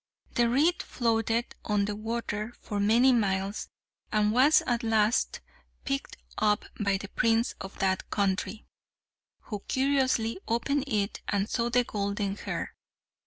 The reed floated on the water for many miles, and was at last picked up by the prince of that country, who curiously opened it and saw the golden hair.